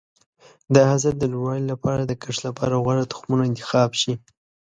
د حاصل د لوړوالي لپاره د کښت لپاره غوره تخمونه انتخاب شي.